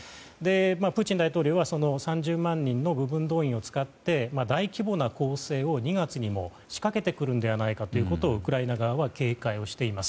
プーチン大統領はその３０万人の部分動員を使って大規模な攻勢を２月にも仕掛けてくるんじゃないかということをウクライナ側は警戒しています。